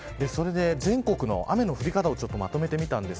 全国の雨の降り方をまとめました。